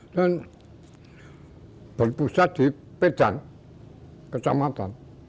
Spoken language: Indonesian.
dan berpusat di pedan kecamatan